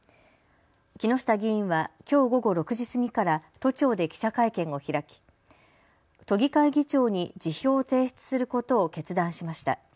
木下議員はきょう午後６時過ぎから都庁で記者会見を開き都議会議長に辞表を提出することを決断しました。